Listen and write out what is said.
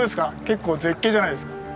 結構絶景じゃないですか。